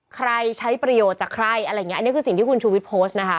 ใช้ประโยชน์จากใครอะไรอย่างเงี้อันนี้คือสิ่งที่คุณชูวิทย์โพสต์นะคะ